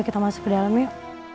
kita masuk ke dalam yuk